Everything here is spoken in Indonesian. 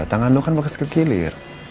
tangan lo kan bakal sekilir